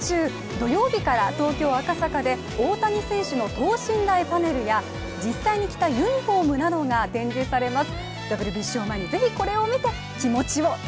土曜日から東京・赤坂で大谷選手の等身大パネルや実際に着たユニフォームなどが展示されます。